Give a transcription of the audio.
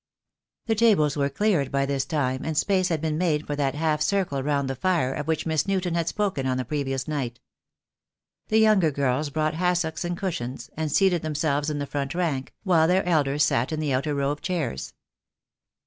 The tables were cleared by this time, and space had been made for that half circle round the fire of which Miss Newton had spoken on the previous night. The younger girls brought hassocks and cushions, and seated themselves in the front rank, while their elders sat in the outer row of chairs.